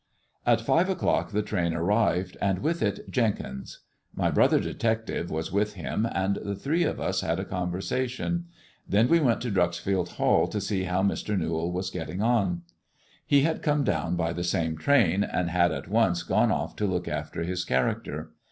At five o'clock the train arrived, and with it Jenkins. My brother detective was with him,* and the three of us had a conversation. Then we went to Dreuxfield Hall to see how Mr. Newall was getting on. He had come down by the same train, and had at once gone ofE to look after his character.